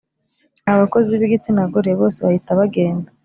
abakozi b’igitsinagore bose bahita bagenda